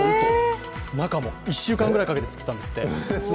１週間くらいかけて作ったんですって。